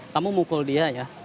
kamu mukul dia ya